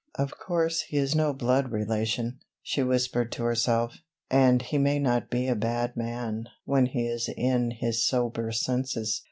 "Of course he is no blood relation," she whispered to herself. "And he may not be a bad man when he is in his sober senses.